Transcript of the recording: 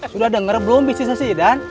sudah denger belum bisnisnya si idan